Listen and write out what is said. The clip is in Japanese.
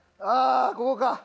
ああここか。